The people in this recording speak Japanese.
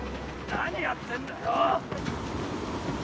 何やってんだよ！